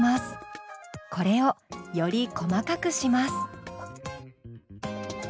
これをより細かくします。